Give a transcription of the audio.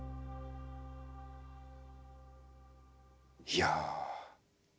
いや